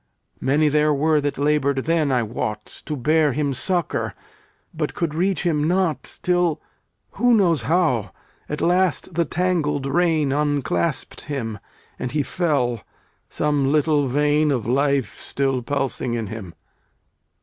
Many there were that laboured then, I wot, To bear him succour, but could reach him not, Till who knows how? at last the tangled rein Unclasped him, and he fell, some little vein Of life still pulsing in him.